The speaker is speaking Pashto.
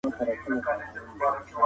کمپيوټر ټکس حسابوي.